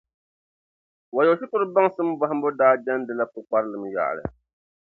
Wayo shikuru baŋsim bɔhimbu daa jɛndila pukparilim yaɣili.